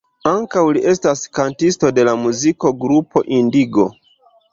Ankaŭ, li estas kantisto de la muzik-grupo "Indigo".